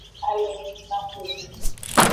Alomekaxomo.